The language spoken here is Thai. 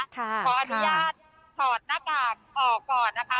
ขออนุญาตถอดหน้ากากออกก่อนนะคะ